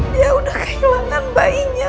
dia udah kehilangan bayinya